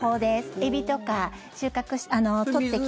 エビとか、取ってきて。